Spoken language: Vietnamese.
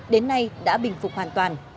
đến nay đã bình phục hoàn toàn